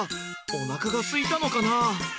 おなかがすいたのかな？